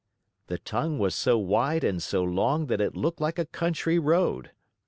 The tongue was so wide and so long that it looked like a country road.